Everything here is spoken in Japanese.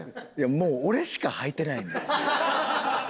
もう俺しかはいてない世界で。